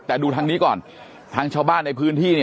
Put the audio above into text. แต่ดูทางนี้ก่อนทางชาวบ้านในพื้นที่